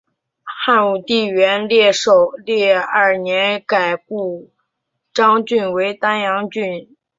汉武帝元狩二年改故鄣郡为丹阳郡。